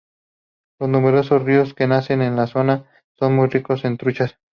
Los numerosos ríos que nacen en la zona son muy ricos en truchas.